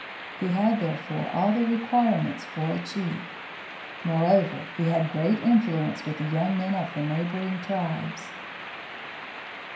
He had therefore all the requirements for a chief. Moreover, he had great influence with the young men of the neighboring tribes.